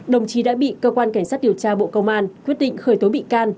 đồng chí đã bị cơ quan cảnh sát điều tra bộ công an quyết định khởi tố bị can